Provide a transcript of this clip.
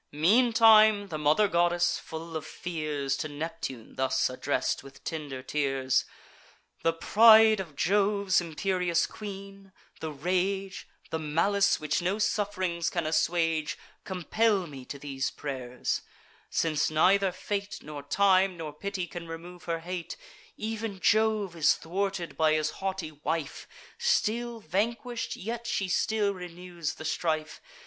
Meantime the mother goddess, full of fears, To Neptune thus address'd, with tender tears: "The pride of Jove's imperious queen, the rage, The malice which no suff'rings can assuage, Compel me to these pray'rs; since neither fate, Nor time, nor pity, can remove her hate: Ev'n Jove is thwarted by his haughty wife; Still vanquish'd, yet she still renews the strife.